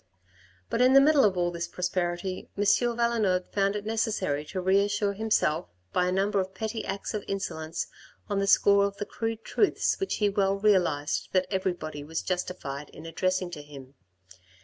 But in the middle of all this prosperity M. Valenod found it necessary to reassure himself by a number of petty acts of insolence on the score of the crude truths which he well realised that everybody was justified in addressing to him.